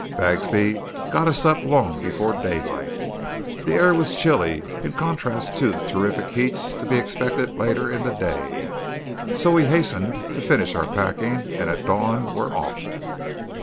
Bagsby got us up long before daylight. The air was chilly, in contrast to the terrific heats to be expected later in the day, so we hastened to finish our packing, and at dawn were off.